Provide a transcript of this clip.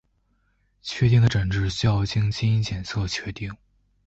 确定的诊治需要经基因检测确定。